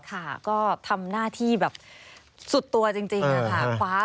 ค่ะก็ทำหน้าที่แบบสุดตัวจริงนะคะ